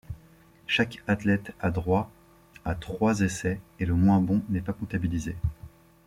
Chaque athlète a droit à trois essais et le moins bon n'est pas comptabilisé.